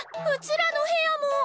うちらの部屋も！